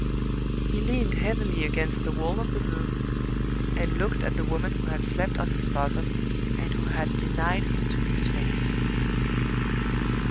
He leaned heavily against the wall of the room, and looked at the woman who had slept on his bosom, and who had denied him to his face.